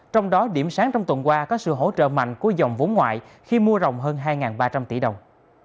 trong đó điểm sáng trong tuần qua có sự hỗ trợ mạnh của dòng vốn ngoại khi mua rồng hơn hai ba trăm linh tỷ đồng